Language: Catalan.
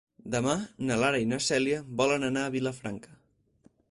Demà na Lara i na Cèlia volen anar a Vilafranca.